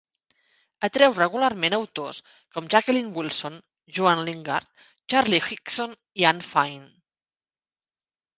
Atreu regularment autors com Jacqueline Wilson, Joan Lingard, Charlie Higson i Anne Fine.